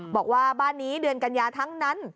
บอกว่าบ้านนี้เดือนกัญญาทั้งนั้น